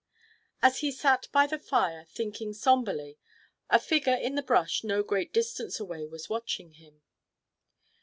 As he sat by the fire thinking somberly, a figure in the brush no great distance away was watching him.